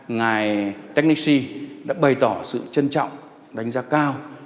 ngài tennessi đã bày tỏ sự trân trọng đánh giá cao